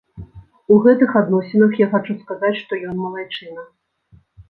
У гэтых адносінах я хачу сказаць, што ён малайчына.